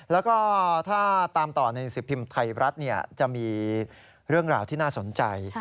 แล้วก็ถ้าตามต่อในหนังสือพิมพ์ไทยรัฐจะมีเรื่องราวที่น่าสนใจ